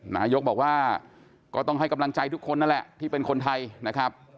นายกบอกว่าก็ต้องให้กำลังใจทุกคนนั่นแหละที่เป็นคนไทยนะครับ